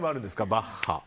バッハ。